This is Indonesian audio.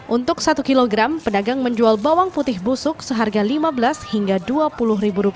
untuk satu kilogram pedagang menjual bawang putih busuk seharga rp lima belas hingga rp dua puluh